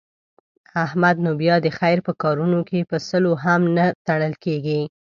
احمد نو بیا د خیر په کارونو کې په سلو هم نه تړل کېږي.